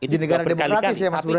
di negara demokratis ya mas burhan